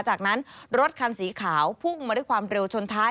จากนั้นรถคันสีขาวพุ่งมาด้วยความเร็วชนท้าย